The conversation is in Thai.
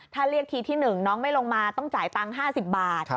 ถ้าเรียกทีที่๑น้องไม่ลงมาต้องจ่ายตังค์๕๐บาท